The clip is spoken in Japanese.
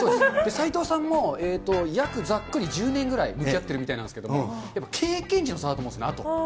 齋藤さんも、えーと、約ざっくり１０年くらい向き合ってるみたいなんですけど、やっぱ経験値の差だと思うんですね、あと。